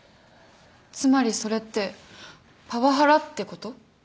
つまりそれってパワハラってこと？